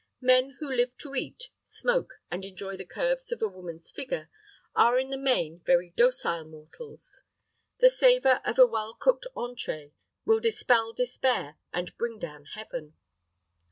Men who live to eat, smoke, and enjoy the curves of a woman's figure are in the main very docile mortals. The savor of a well cooked entrée will dispel despair and bring down heaven.